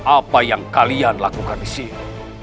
apa yang kalian lakukan di sini